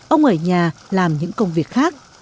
ông ở nhà làm những công việc khác